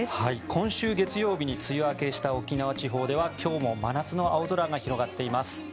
今週月曜日に梅雨明けした沖縄地方では今日も真夏の青空が広がっています。